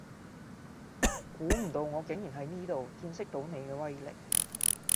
估唔到我竟然喺呢度見識到你既威力